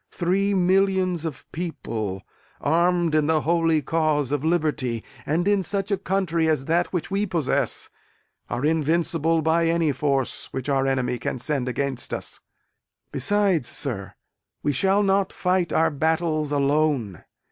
Three millions of people, armed in the holy cause of liberty, and in such a country as that which we possess, are invincible by any force which our enemy can send against us. Besides, sir, we shall not fight our battles alone.